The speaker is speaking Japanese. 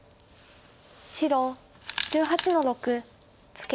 白１８の六ツケ。